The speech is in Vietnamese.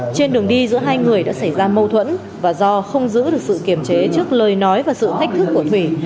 trên đường đi giữa hai người đã xảy ra mâu thuẫn và do không giữ được sự kiểm chế trước lời nói và sự thách thức của thủy